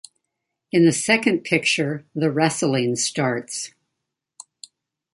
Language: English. In the second picture the wrestling starts.